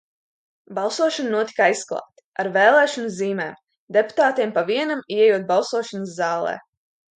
Balsošana notika aizklāti ar vēlēšanu zīmēm, deputātiem pa vienam ieejot balsošanas zālē.